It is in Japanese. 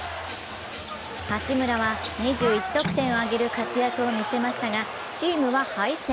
八村は２１得点を挙げる活躍を見せましたが、チームは敗戦。